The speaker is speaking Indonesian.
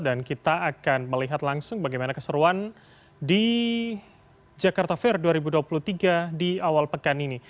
kita akan melihat langsung bagaimana keseruan di jakarta fair dua ribu dua puluh tiga di awal pekan ini